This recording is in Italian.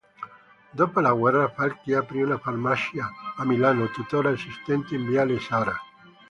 Dopo la guerra, Falqui aprì una farmacia a Milano, tuttora esistente in viale Zara.